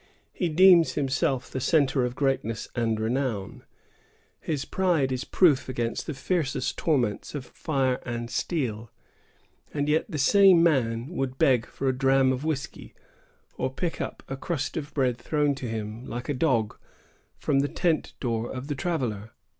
He deems himself the centre of greatness and renown; his pride is proof against the fiercest torments of fire and steel; and yet the same man would beg for a dram of whiskey, or pick up a crust of bread thrown to him like a dog, from the tent door of the traveller.